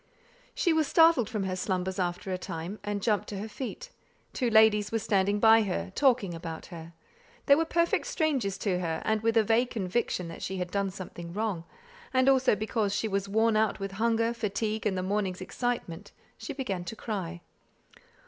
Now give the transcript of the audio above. She was startled from her slumbers after a time, and jumped to her feet. Two ladies were standing by her, talking about her. They were perfect strangers to her, and with a vague conviction that she had done something wrong, and also because she was worn out with hunger, fatigue, and the morning's excitement, she began to cry.